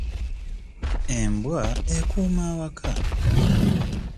Embwa ekuuma awaka.